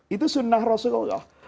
itu sunnah rasulullah